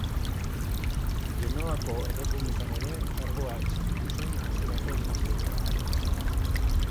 Genoako Errepublikan ere kargua existitu zen hasierako faseetan.